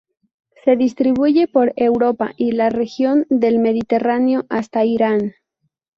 Se distribuye por Europa, y la región del Mediterráneo hasta Irán.